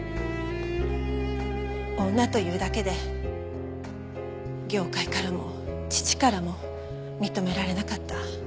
女というだけで業界からも父からも認められなかった。